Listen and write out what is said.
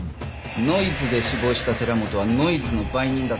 ノイズで死亡した寺本はノイズの売人だった。